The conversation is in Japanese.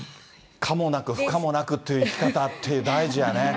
可もなく不可もなくっていう生き方って大事やね。